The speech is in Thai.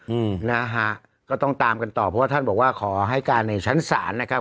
อืมนะฮะก็ต้องตามกันต่อเพราะว่าท่านบอกว่าขอให้การในชั้นศาลนะครับ